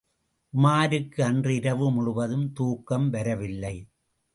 உமாருக்கு அன்று இரவு முழுவதும் தூக்கம் வரவில்லை.